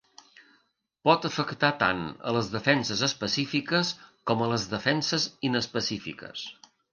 Pot afectar tant a les defenses específiques com a les defenses inespecífiques.